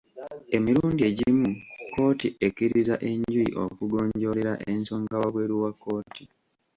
Emirundi egimu kkooti ekkiriza enjuyi okugonjoolera ensonga wabweru wa kkooti.